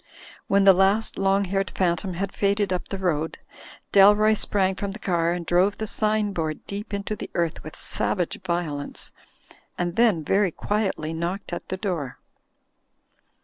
When the last long haired phantom had faded up the road, Dalroy sprang from the car and drove the sign board deep into the earth with savage violence, and then very quietly knocked at the door.